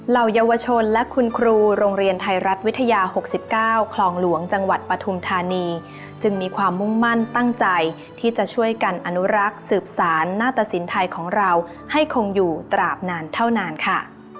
เหล่าเยาวชนและคุณครูโรงเรียนไทยรัฐวิทยา๖๙คลองหลวงจังหวัดปฐุมธานีจึงมีความมุ่งมั่นตั้งใจที่จะช่วยกันอนุรักษ์สืบสารหน้าตสินไทยของเราให้คงอยู่ตราบนานเท่านานค่ะ